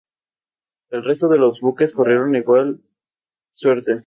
En su cabeza tiene una especie de banda blanquecina.